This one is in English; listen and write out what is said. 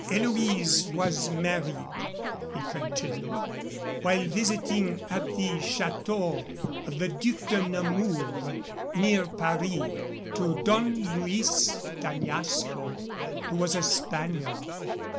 "Eloise was married," he continued, "while visiting at the château of the Duc de Nemours, near Paris, to Don Luis d'Añasco, who was a Spaniard.